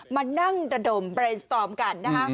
มานั่งระดมเรนสตอมกันนะคะ